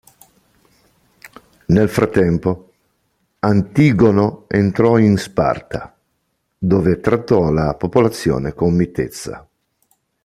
Nel frattempo, Antigono entrò in Sparta, dove trattò la popolazione con mitezza.